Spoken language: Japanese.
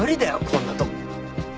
こんなとこ。